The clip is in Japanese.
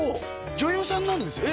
女優さんなんですよね